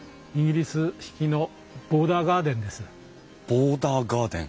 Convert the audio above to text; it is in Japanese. ボーダーガーデン？